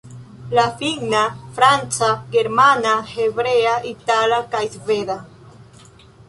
la finna, franca, germana, hebrea, itala kaj sveda.